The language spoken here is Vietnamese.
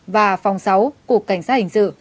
và phòng sáu cục cảnh sát hình sự